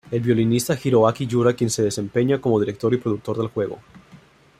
El violinista Hiroaki Yura, quien se desempeña como director y productor del juego.